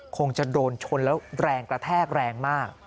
คงจะโดนชนแล้วแรงกระแทกแรงมาก